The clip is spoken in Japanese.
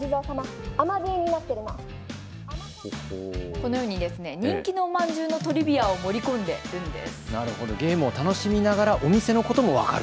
このように人気のおまんじゅうのトリビアを盛り込んでるんです。